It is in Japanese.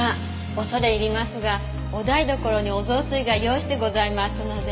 恐れ入りますがお台所におぞうすいが用意してございますので。